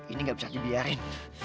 ini gak bisa dibiarin